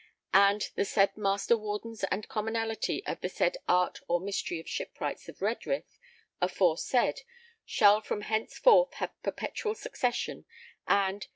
And ... the said Master Wardens and Commonalty of the said art or mystery of Shipwrights of Redrith aforesaid shall from henceforth have perpetual succession, and